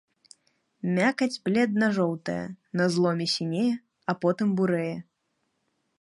Мякаць бледна-жоўтая, на зломе сінее, потым бурэе.